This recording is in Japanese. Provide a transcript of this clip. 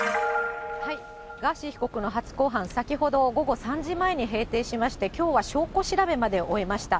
ガーシー被告の初公判、先ほど午後３時前に閉廷しまして、きょうは証拠調べまで終えました。